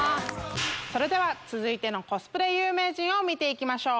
それでは続いてのコスプレ有名人見て行きましょう。